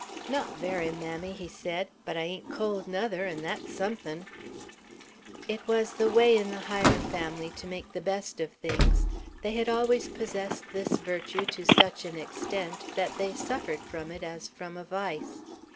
"Not very, mammy," he said; "but I ain't cold, nuther; an' thet's somethin'." It was the way in the Hyer family to make the best of things; they had always possessed this virtue to such an extent, that they suffered from it as from a vice.